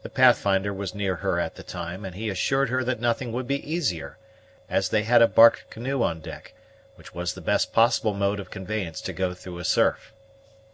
The Pathfinder was near her at the time, and he assured her that nothing would be easier, as they had a bark canoe on deck, which was the best possible mode of conveyance to go through a surf.